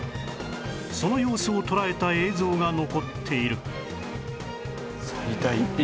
その様子を捉えた映像が残っている